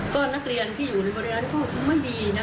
ก็นักเรียนที่อยู่ในบริเวณนั้นก็ไม่มีนะคะ